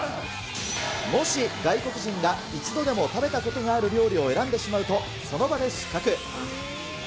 もし外国人が一度でも食べたことがある料理を選んでしまうと、その場で失格。